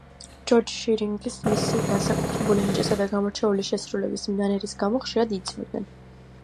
ჯორჯ შირინგს, მისი განსაკუთრებული ნიჭისა და გამორჩეული შესრულების მანერის გამო ხშირად იწვევდნენ.